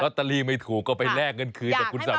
ถ้าตะลี่ไม่ถูกก็ไปแรกเงินคืนกับคุณสามี